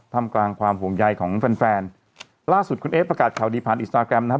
ทำกลางความห่วงใยของแฟนแฟนล่าสุดคุณเอ๊ประกาศข่าวดีผ่านอินสตาแกรมนะครับ